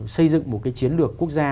xây dựng một chiến lược quốc gia